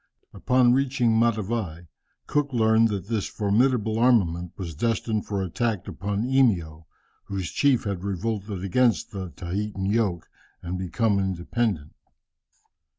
"Upon reaching Matavai, Cook learned that this formidable armament was destined for an attack upon Eimio, whose chief had revolted against the Tahitan yoke, and become independent.